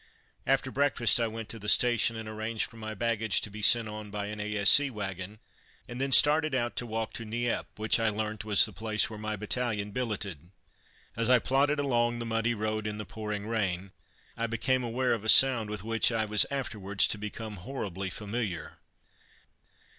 After breakfast I went to the station and arranged for my baggage to be sent on by an A.S.C. wagon, and then started out to walk to Nieppe, which I learnt was the place where my battalion billeted. As I plodded along the muddy road in the pouring rain, I became aware of a sound with which I was afterwards to become horribly familiar.